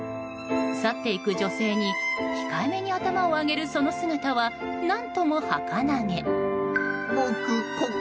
去っていく女性に控えめに頭を上げる、その姿は何ともはかなげ。